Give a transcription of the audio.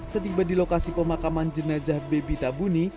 sediba di lokasi pemakaman jenazah bebi tabuni